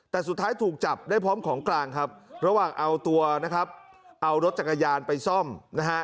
แต่สุดท้ายถูกจับได้พร้อมของกลางครับระหว่างเอาตัวนะครับเอารถจักรยานไปซ่อมนะฮะ